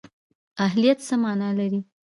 اهلیت څه مانا لري؟